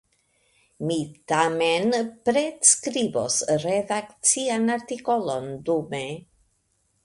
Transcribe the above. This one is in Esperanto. Mi tamen pretskribos redakcian artikolon dume.